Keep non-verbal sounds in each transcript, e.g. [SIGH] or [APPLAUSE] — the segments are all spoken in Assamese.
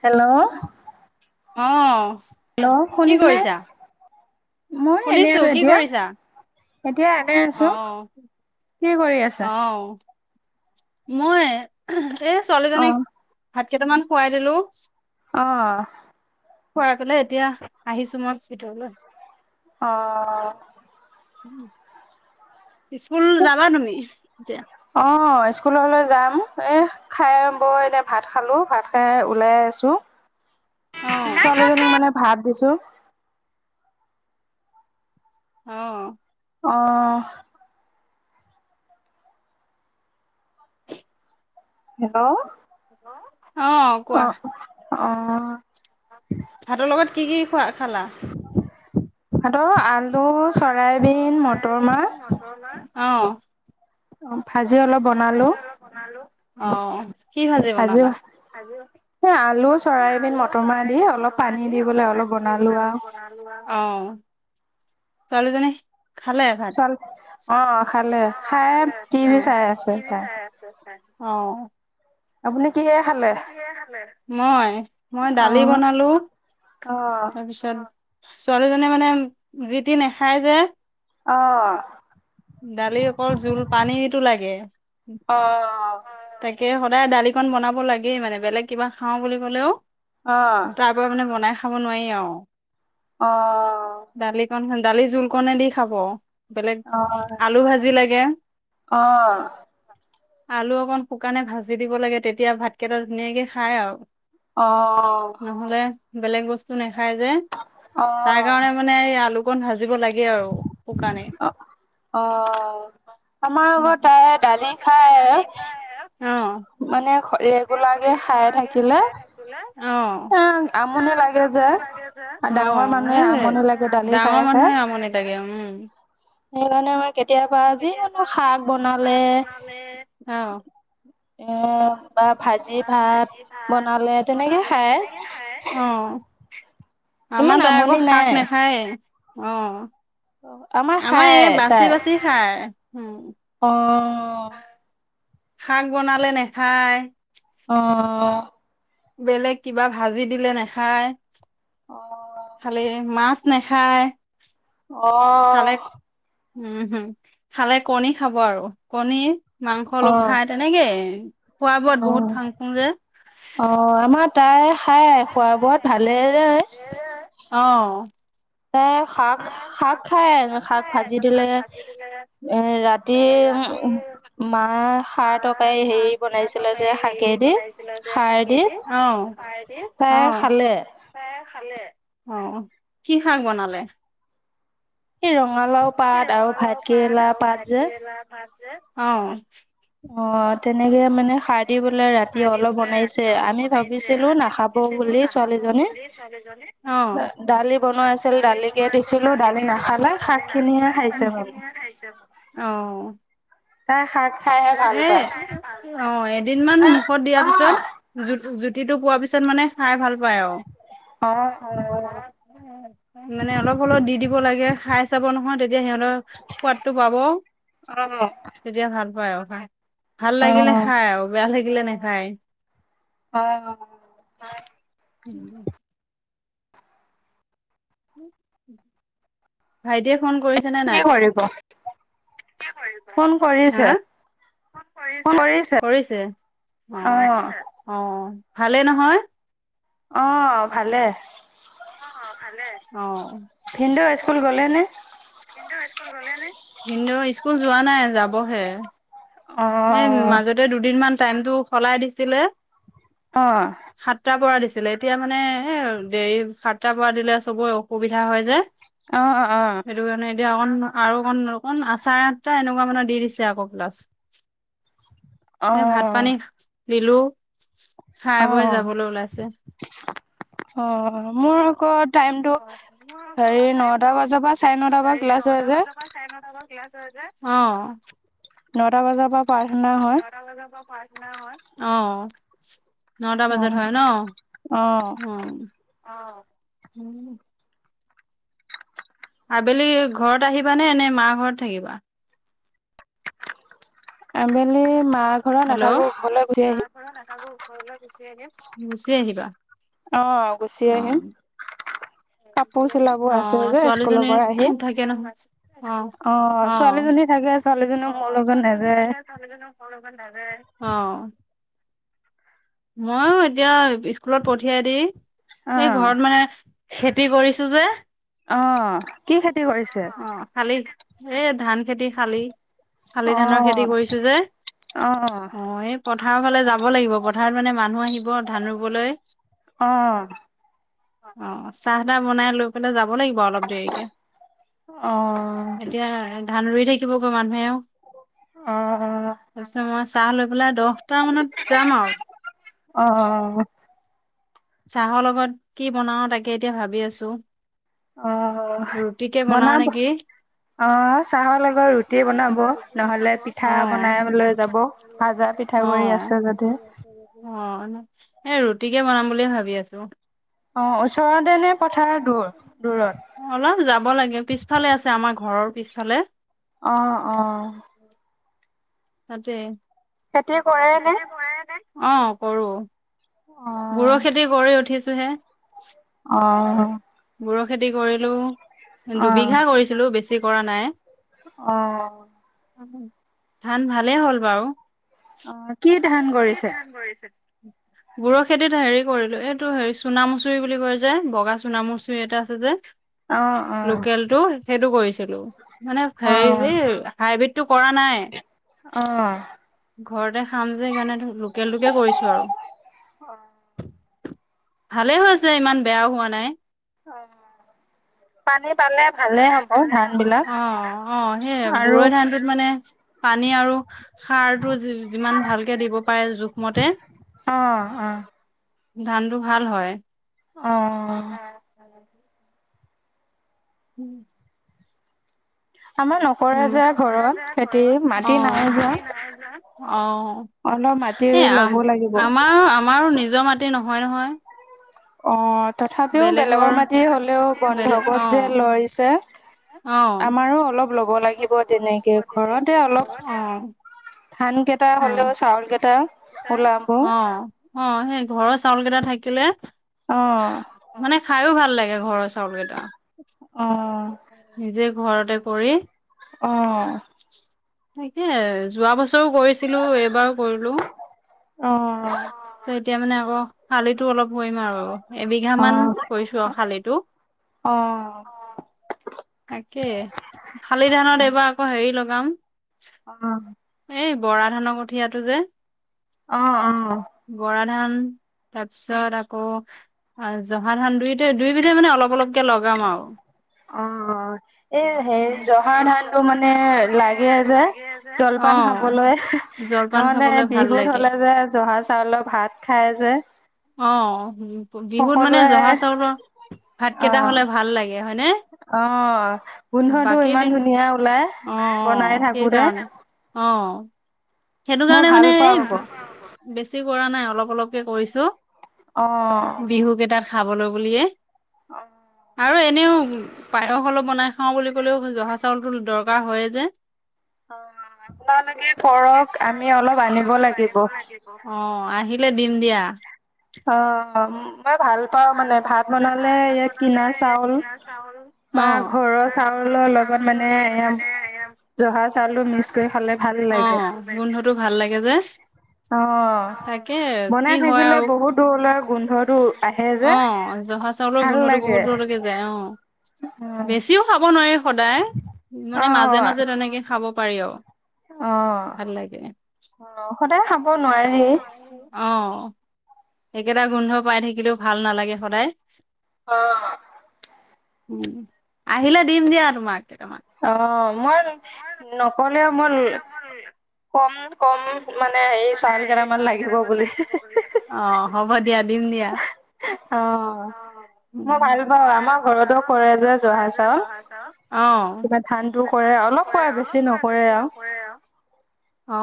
হেল্ল'? অহ? হেল্ল', শুনিছ নে? মই এনে শুনিছো আছো কি এতিয়া। কৰিছা এতিয়া এনে আছো। অ কি কৰি আছা? অ মই এ ছোৱালী জনীক অ', ভাত কেইটামান খোৱাই দিলো। অহ। খোৱ গলে এতিয়া আহিছো মই ভিতৰলৈ অহ উম স্কুল যাবা তুমি এতিয়া অ', স্কুললৈ যাম এই খাই বৰ এনে ভাত খালোঁ ভাত খাই ওলাই আছোঁ । ছোৱালীজনীক মানে ভাত দিছো । অ অহ হেল্ল' হেল্ল' অ কোৱা অ ভাতৰ লগত কি কি খোৱা খালা ভাতৰ লগত আ আলো চৰাইবিন মটৰ মা অহ । অ ভাজ আজি অলপ বন ভাজি অনাজ এ আলু, চৰাইবিন, আলু মটৰমাহ দি চৰাইদিন অলপ মটমা পানী দি অলপ পেলাই পানী দি বনালো আৰু। অলপ বনো অ ছোৱালী জনী চাল অ খালে খাই খালে। টি ভ চাই আছে তাই চাই আছে অ আপুনি কিহে অ খালে মই মই অ দালি বনালো অ তাৰপিছত ছোৱালীজননে মানে যি টি নাখায় যে অহ দালি অকল জোল পানীটো লাগে অ তাক সদায় দালিকন বনাব লাগেই মানে বেলেগ কিবা খাওঁ বুলি ক'লেও অ তাৰ পৰা মানে বনাই খাব নোৱাৰি আৰু অ দালিকণ দালি জোলকণে দি খাব বলেগ আলু ভাজি লাগে আহ আলু অকণ শুকানে ভাজি দিব লাগে তেতিয়া ভাতকেইটা ধুনীয়াকে খাই আৰু অ নহ'লে বেলেগ বস্তু নাই খাই যে অ তাৰ কাৰণে মানে আলু কোন হাজছে জিব লাগে আৰু শুকানে অ আমাৰ আগত তাই দালি খায় অ থে খাই থাকিলে এ আমনি লাগে যে অনি ল যে অ ডাঙৰ মানুহে আমনি স লাগে দালি ডাঙৰ মানুহে আমনি লাগে উম এই মান কেতিয়াবা যি চাত বনালে এ বা ভাজি ভাত ভি ভাত বনালে তেনেকে বনালে খায় তেনেকে খায় আমাৰ ইমান তাই আকৌ আমনি শাক নাই নাখায়ে আহ আমাৰ খাই এই তাই বাচি বাচি খাই উম অ শাক বনালে নেখায় অ বেলেগ কিবা ভাজি দিলে নাখায় অ খালে মাছ নেখায় খালে আহ উম হম খালে কণী খাব আৰু কণী মাংস অ অলপ খাই তেনেকে খোৱা অ বোৱাত বহুত থাং ফুং যে অ আমাৰ তাই খাই খোৱা বোৱাত ভালে যায় অ তাই শাক, শাক খায়, শাক ভাজি দিলে, এ ৰাতি মাহ খাৰ তৰকাৰি হেৰি বনাইছিলে যে শাকেদি, খাৰে দি, অ', তাই অ', খালে। অ, কি শাক বনালে? এই ৰঙালাও পাত আৰু ভাতকৰেলা পাত যে অ'। অ' তেনেকে মানে সাৰ দি তেনেকে পেলাই মানে ৰাতি খাৰ দি অলপ বোলে বনাইছে ৰাতি অলপ আমি বনাইছে, ভাবিছিলো আমি নাখাব ভাবিছিলোঁ বুলি নাখাব ছোৱালীজনী বুলি, ছোৱালীজনীয়ে দালি বনোৱা আছিল দালি দালিকে বনোৱা‌ আছিল দিছিলো দালি দালিকে নাখালে দিছিলোঁ, শাক দালি খিনিহে নাখালাই খাইছে মানে খিনিাইছে ম তাই শাক খাইহে ভাল এ পায় অ এদিন মান মুখত দিয়াৰ অ পিছত, জুত, জুত তিটো পোৱাৰ পিছত মানে খাই ভাল পায় আৰু। অ মানে অলপ হলেও দি দিব লাগে, খাই চাব নহয়, তেতিয়া সিহঁতৰ সোৱাদটো পাব, অ তেতিয়া ভাল হয়। হয়। ভাল অ লাগিলে খাই আৰু বেয়া লাগি লাগিলে নে খাই অ' উম। উম। ভাইটিয়ে ফন কৰিছে নে‌ কি নাই? কৰিব ফোন কৰিছে হা? ফোন কৰিছে। অ অ'! ভালে নহয়। অহ ভালেই। অ ভালেই, অ'। ভিনদেউ স্কুল গলেনে ভিনিদেউ, স্কুল গলে নে, ভিনিদেউ স্কুল যোৱা নাই, যাবহে। অ এ মাজতে দুদিন মান টাইমটো সলাই দিছিলে অ সাতটাৰ পৰা দিছ ছিলে এতিয়া মানে, এতিয়া মানে দেৰি সাতটা পৰা দিলে চবৰে অসুবিধা হয় যে অ', অ', সেইটো কাৰণে এতিয়া অকণ আৰু অকণ অকণ আচাৰ আঠটা, এনেকুৱা মানে দি দিছে আকৌ ক্লাছ। এ ভাত পানী অ', দিলোঁ। অ' অ' অ, মোৰ আকৌ টাইম অ মই আকৌ টাইমটো, পৰা চাৰে নটা পৰা ক্লাছ হয় নটা যে বজাৰ পৰা চাৰে নটা অ । নটা বজাৰ পৰা প্ৰাৰ্থনা হয়। অ। নটা বজাত অ', হয় ন, অ', অ। উম। আবেলি ঘৰত আহিবানে নে মা ঘৰত থাকিবা? আবেলি মা ঘৰত নাথাকো, ঘৰলৈ গুচি আহিম। গুচি আহিবা গুচি আহিবা। অ গুচি অ আহিম। কাপোৰ চিলাব অ আছে যে স্কুলৰ ছোৱালীজনী পৰা আহি থাকে নহয়, অ ছোৱালীজনী থাকে ছোৱালীজনী অ, মোৰ লগত ছোৱালীজনী নাযায় থাকে, ছোৱালিজনী অ। মই ওঁ এতিয়া স্কুলত পঠিয়াই দি সেই অ', ঘৰত মানে খেতি কৰিছো যে অঁ অঁ অঁ খালি সে ধান সে খেতি হালি, হালি ধানৰ অ', খেতি কৰিছো যে অ', অঁ পথাৰৰ ফালে যাব লাগিব পথাৰত মানে মানুহ আহিব ধান ৰুবলৈ অঁ । অঁ চাহ তাহ বনাই লৈ পেলাই যাব লাগিব অলপ দেৰিকে আঁহ এতিয়া ধান ৰুই থাকিবগৈ মানুহেওঃ। অ', অ'। [UNINTELLIGIBLE] চাহ লৈ পেলাই দহ দশটা মানত যাম আৰু অঁ অঁ চাহৰ লগত কি বনাওঁ তাকে এতিয়া ভাবি আছো অ', ৰুটিকে বনাও বনাব নেকি অঁ অ', চাহৰ লগত ৰুটি বনাব । নহ'লে পিঠা বনাই লৈ যাব। ভাজা পিঠাগুৰি আছে যদি এ ৰুটিকে বনাম বুলিুয়ে ভাবি আছো অঁ ওচৰতে নে পথাৰ দূৰ দূৰত অলপ যাব লাগে পিছফালে আছে আমাৰ ঘৰৰ পিছফালে । আঁহ আঁহ । তাতে খেতি কৰে নে অ কৰো বৰ অ', খেতি কৰি উঠিছে তহে অ ব খেতি কৰিলো অ', দুবিঘা কৰিছিলো বেছি কৰা নাই অ ধান ভালেই হ'ল বাৰু অ কি ধান কি কৰিছে? ধান কৰিছে? বুৰৰ খেতিত হেৰি কৰিলো, এইটো হেৰি চুণামচৰি বুলি কয় যে, বগা চুণামচুৰি এটা আছে যে। অ', অ', লোকেল টো সেইটো কৰিছিলো। মানে অ', হেৰি হাইব্ৰীড টো কৰা নাই। অ', ঘৰতে খাম। সেইকাৰণে লোকেলটোকে কৰিছো আৰু। ভালে হৈছে ইমান বেয়াও হোৱা নাই। অ পানীৰ পালে ভালে হব ধান বিলাক। অ অ সেই আৰু বুৰৈ ধানটোত মানে পানী আৰু সাৰটো যিমান ভালকে দিব পাৰে জোখমতে অ', অ', ধানটো ভাল হয়। অ [UNINTELLIGIBLE] আমাৰ নকৰে উম, যে ঘৰত খেতি মাটি অ', নাই হোৱা। অ। এই আ লাগিব আমাৰ অ আমাৰো নিজৰ মাটি নহয়। হয় নহয়। অ। তথাপিও বেলেগৰ মাটি হ'লেও বেলেগ বন্ধকত যে অ', লৈছে। অ', আমাৰো অলপ ল'ব লাগিব তেনেকে ঘৰতে অলপ অ', ধান কেইটা অ', হ'লেও চাউল কেইটা ওলাব। অ', অ', সেই ঘৰৰ চাউল কেইটা থাকিলে অ মানে খাইও ভাল ভাল লাগে ঘৰৰ চাউলকেইটা। [UNINTELLIGIBLE] নিজে ঘৰতে কৰি । অহ। তাকে যোৱা বছৰো কৰিছিলো, এইবাৰো কৰিলো । অ'। এতিয়া মানে আকৌ শালিতো অলপ কৰিম আৰু এবিঘা অ মান কৰিছো আৰু শালিটো অ তাকে শালি ধানত এইবাৰ আকৌ হে হেৰি লগাম অ' । এই বৰা ধানৰ কঠিয়াটো যে অহ-অহ। বৰা ধান তাৰপিছত আকৌ জহা ধান দুইতা দুইবিধে মানে অলপ, অলপকে লগাম আৰু অ' এই হেৰি জহা ধানটো মানে লাগে যে অ জলপান খাবলৈ জলপান নহ'লে খাবলৈ ভাল বিহুত লাগে হ'লে যে জহা চাউলৰ ভাত খায় যে অ' বিহুত মানে সকলোৱে জহা চাউলৰ ভাত কেইটা অ', হ'লে ভাল লাগে হয়নে? অ' গোন্ধটো বাকী ইমান দিন ধুনীয়া ওলাই অ', বনাই -অ' থাকোতে অ সেইকাৰণে অ' সেইটো মই কাৰণে ভাল মানে এই পাওঁ আকৌ বেছি কৰা নাই অলপ, অলপকে কৰিছো । অ'হ। খাবলৈ বুলিয়ে অ' । আৰু এনেও পায়স অলপ বনাই খাওঁ বুলি ক'লেও জহা চাউলতো দৰকাৰ হয়ে যে [UNINTELLIGIBLE] কৰক আমি অলপ আনিব লাগিব । অ আহিলে দিম দিয়া । অ'উ। ভাল তাত বনালে ভাল, তাত ইয়াত কিনা বনালেতো চাউল কিনা চাউল বা ঘৰৰ বা চাউলৰ সৰু লগত মানে চাউলৰ লগত এয়া মানে জহা চাউলটো জহা মিক্স কৰি চাউল খালে মিক্স কৰি ভাল লাগে অ' গোন্ধটো ভাল লাগে যে । অ' বনাই থাকিলে আৰু বহুত দূৰলৈ গোন্ধটো আহে যে অ' জহা চাউলৰ ভাল গোন্ধটো লাগে বহুত দূৰলৈকে যায় অ' বেছিও খাব নোৱাৰি সদায় অ মানে মাজে মাজে তেনেকে খাব পাৰি অ ভাল লাগে অ সদায় খাব নোৱাৰি অ একেটা গোন্ধ পাই থাকিলেও ভাল নালাগে সদায় অ উ আহিলে দিম দিয়া তোমাক কেইটামান অ মই নক ম মানে মানে হেৰি চাউল কেইটামান চাউল কেটামান বুলি লাগিব বুলি অ হ'ব দিয়া দিম দিয়া অ অ মই ভাল পাওঁ ভাল আমাৰ ঘৰতো পাওঁ কৰে ঘৰতো যে কৰে জহা যে চাউল জহা চাউল কিবা ধান টো কৰে অলপ ক বেছি নকৰে আৰু অ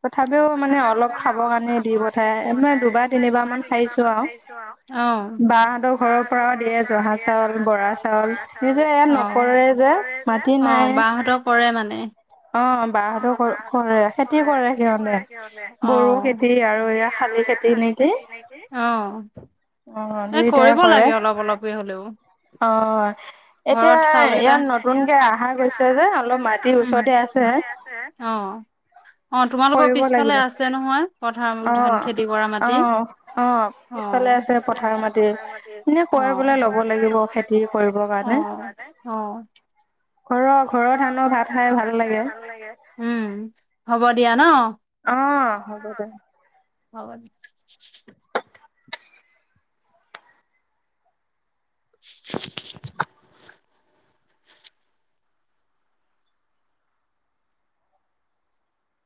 তথাপিও মানে তথাপিও অলপ মানে খাবৰ অলপ কাৰণে খাবকানে পঠাই দি মানে দুবাৰ পঠাই তিনিবাৰ দুবাৰ মান তিনিবাৰ খাইছো মান আৰু খাইছো আৰু বাহঁতৰ ঘৰৰ বাহতৰ পৰাও ঘৰৰ দিয়ে পৰাও জহা দিয়ে চাউল জহা চাউল বৰা নিজে চাউল ইয়াত নকৰে যে সকলোৰে যে মাটি অ নাই বাহতৰ কৰে মানে অ অ বাহঁতৰ অ বাহৰতো কৰে খেতি কৰে খেতি সিহঁতে কৰে সি হতে বড়ো খেতি বুট আৰু খেতি এয়া শালি আৰু এ খেতি শালি নেকি খেতি নেকি । অ এ দুইটাই কৰিব কৰে লাগে অলপ অলপে হ'লেও অ এতিয়া ঘৰত চাউল কেইটা ইয়াত নতুনকে নতুনক গৈছে আহা যে অলপ গৈছে মাটিৰ আমি মাটি আছে ওচৰতে আছে অ অ তোমালোকৰ কৰিব পিছফালে লাগিব আছে নহয় পথাৰ ধান অ', খেতি কৰা মাটি অ', অ পিছফালে আছে পিছফালে পথাৰ আছে মাটি। পথাৰ মাটি এনে কয় বোলে ল'ব লাগিব চপোৱা মানে । খেতি কৰিব কাৰণে । ঘৰৰ ঘৰৰ ধানৰ ভাত খাই ভাল লাগে উম, হ'ব দিয়া ন অ হ'ব দে হ'ব দে [INAUDIBLE]